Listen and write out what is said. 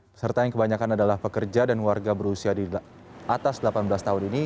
peserta yang kebanyakan adalah pekerja dan warga berusia di atas delapan belas tahun ini